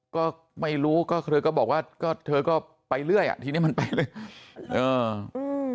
ก็ไม่รู้เธอก็บอกว่าเธอก็ไปเรื่อยทีนี้มันไปเรื่อย